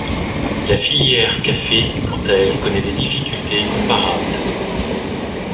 La filière café quant à elle connaît des difficultés comparables.